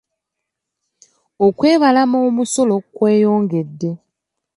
Okwebalama omusolo kweyongedde.